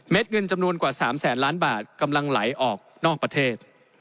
เงินจำนวนกว่า๓แสนล้านบาทกำลังไหลออกนอกประเทศ